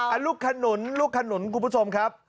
อันรูปขนุนรูปขนุนกุปสมครับ